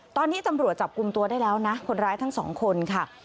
ตอนนี้ตำรวจจับกลุ่มตัวได้แล้วนะคนร้ายทั้งสองคนค่ะ